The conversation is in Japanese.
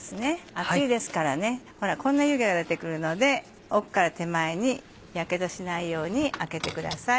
熱いですからねこんな湯気が出てくるので奥から手前にやけどしないように開けてください。